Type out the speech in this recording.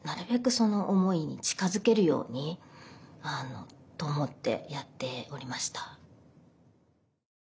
その思いに近づけるようにと思ってやっておりました。